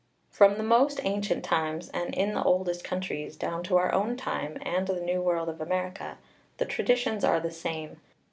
From the most ancient times, and in the oldest countries, down to our own time and the new world of America, the traditions are the same.